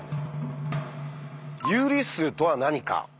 有理数とは何か？